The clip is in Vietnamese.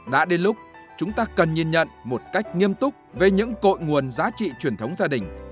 đã đến lúc chúng ta cần nhìn nhận một cách nghiêm túc về những cội nguồn giá trị truyền thống gia đình